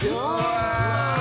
うわ！